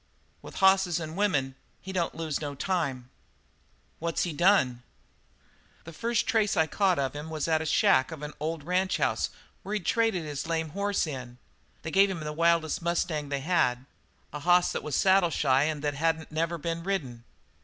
"With hosses and women, he don't lose no time." "What's he done?" "The first trace I caught of him was at a shack of an old ranchhouse where he'd traded his lame hoss in. They gave him the wildest mustang they had a hoss that was saddle shy and that hadn't never been ridden.